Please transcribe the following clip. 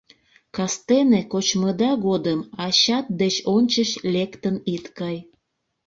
Кастене кочмыда годым ачат деч ончыч лектын ит кай!